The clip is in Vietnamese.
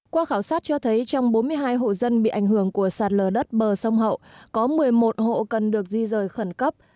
qua khảo sát cho thấy trong bốn mươi hai hộ dân bị ảnh hưởng của sạt lở đất bờ sông hậu có một mươi một hộ cần được di rời khẩn cấp